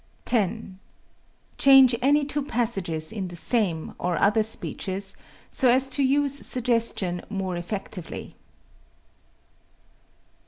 10. Change any two passages in the same, or other, speeches so as to use suggestion more effectively.